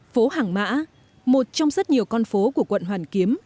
phố hàng mã một trong rất nhiều con phố của quận hoàn kiếm